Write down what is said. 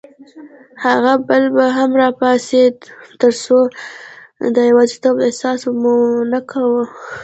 هغه بل به هم راپاڅېد، ترڅو د یوازیتوب احساس مو نه کاوه.